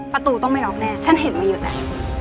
ประตูต้องไม่รอบแน่ฉันเห็นมันอยู่แหละ